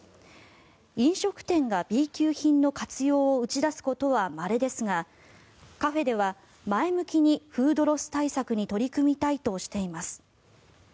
飲食店がＢ級品の活用を打ち出すことはまれですがカフェでは前向きにフードロス対策に取り組みたいとしています。